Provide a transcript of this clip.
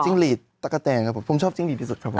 หลีดตะกะแตนครับผมผมชอบจิ้งหลีดที่สุดครับผม